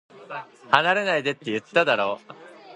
離れないでって、言っただろ